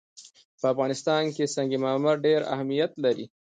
په افغانستان کې سنگ مرمر ډېر اهمیت لري.